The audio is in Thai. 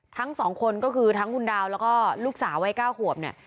ทั้งสองคนก็คือทั้งคุณดาวแล้วก็ลูกสาววัย๙ขวบเนี่ย